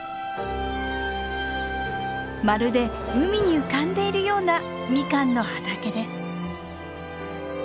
まるで海に浮かんでいるようなミカンの畑です。